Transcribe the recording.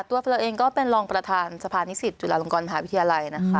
ตัวเราเองก็เป็นรองประธานสภานิสิตจุฬาลงกรมหาวิทยาลัยนะคะ